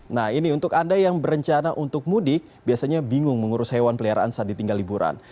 nah ini untuk anda yang berencana untuk mudik biasanya bingung mengurus hewan peliharaan saat ditinggal liburan